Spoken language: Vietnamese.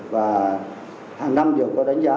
và hàng năm đều có đánh giá